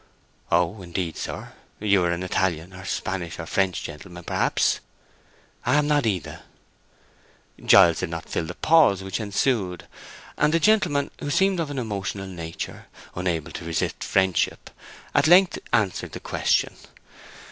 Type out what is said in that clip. "Oh, indeed, sir. You are an Italian, or Spanish, or French gentleman, perhaps?" "I am not either." Giles did not fill the pause which ensued, and the gentleman, who seemed of an emotional nature, unable to resist friendship, at length answered the question.